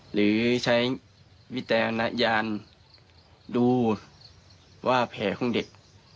หรือใช้วิจารณญาณดูว่าแผลของเด็ก